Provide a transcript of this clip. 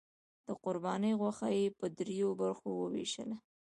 د قربانۍ غوښه یې په دریو برخو وویشله.